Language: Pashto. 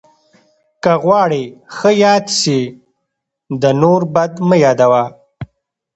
که غواړې ښه یاد سې، د نور بد مه بيانوه!